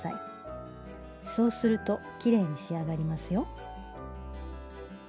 そうするときれいに仕上がりますよ。